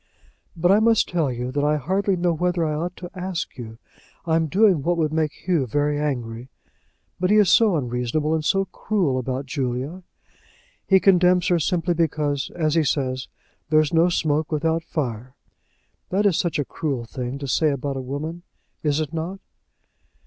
"But I must tell you, that I hardly know whether I ought to ask you. I'm doing what would make Hugh very angry. But he is so unreasonable, and so cruel about Julia. He condemns her simply because, as he says, there is no smoke without fire. That is such a cruel thing to say about a woman; is it not?"